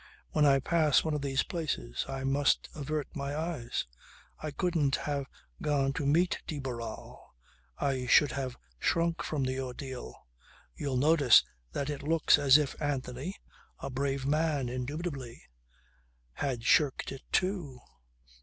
When I pass one of these places I must avert my eyes. I couldn't have gone to meet de Barral. I should have shrunk from the ordeal. You'll notice that it looks as if Anthony (a brave man indubitably) had shirked it too.